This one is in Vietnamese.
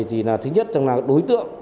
thì là thứ nhất là đối tượng